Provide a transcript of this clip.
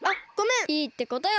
いいってことよ。